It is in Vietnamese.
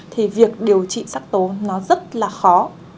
thì việc điều trị sắc tố nó rất là khó